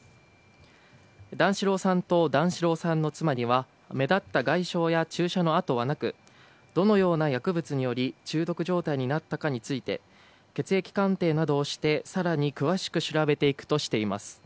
段四郎さんと段四郎さんの妻には目立った外傷や注射の痕はなくどのような薬物により中毒状態になったかについて血液鑑定などをして、更に詳しく調べていくとしています。